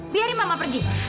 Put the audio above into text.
biarin mama pergi